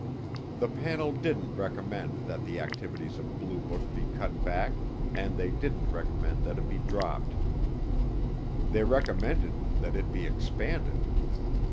The panel didn't recommend that the activities of Blue Book be cut back, and they didn't recommend that it be dropped. They recommended that it be expanded.